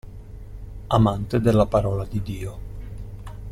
Amante della parola di Dio.